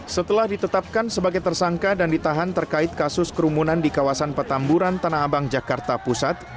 setelah ditetapkan sebagai tersangka dan ditahan terkait kasus kerumunan di kawasan petamburan tanah abang jakarta pusat